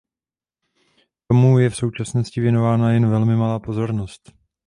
Tomu je v současnosti věnována jen velmi malá pozornost.